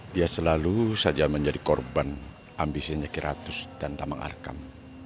dia selalu saja menjadi korban ambisinya kiratus dan tambang arkam